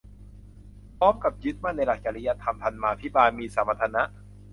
พร้อมกับยึดมั่นในหลักจริยธรรม ธรรมาภิบาล มีสมรรถนะ